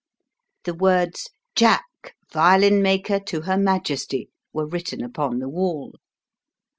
The words, "Jack, violin maker to Her Majesty," were written upon the wall.